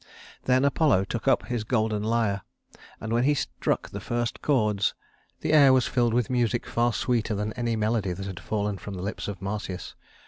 Then Apollo took up his golden lyre, and when he struck the first chords, the air was filled with music far sweeter than any melody that had fallen from the lips of Marsyas.